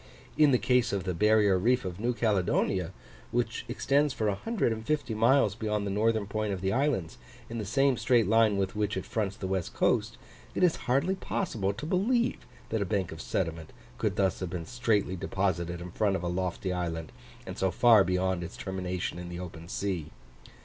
In the case of the barrier reef of New Caledonia, which extends for 150 miles beyond the northern point of the islands, in the same straight line with which it fronts the west coast, it is hardly possible to believe that a bank of sediment could thus have been straightly deposited in front of a lofty island, and so far beyond its termination in the open sea.